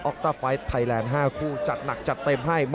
ต้าไฟล์ไทยแลนด์๕คู่จัดหนักจัดเต็มให้